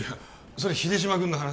それ秀島君の話？